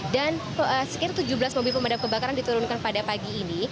dan sekitar tujuh belas mobil pemadam kebakaran diturunkan pada pagi ini